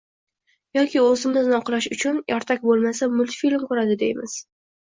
Yoki o`zimizni oqlash uchun Ertak bo`lmasa, multfilm ko`radi, deymiz